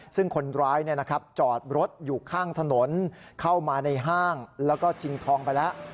ซึ่งคนร้ายจอดรถอยู่ข้างถนนเข้ามาในห้างแล้วก็ชิงทองไปแล้ว